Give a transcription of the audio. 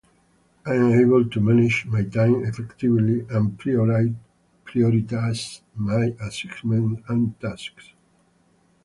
I am able to manage my time effectively and prioritize my assignments and tasks.